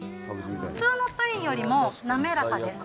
普通のプリンよりも、滑らかです。